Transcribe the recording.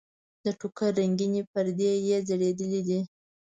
د ټوکر رنګینې پردې یې ځړېدلې دي.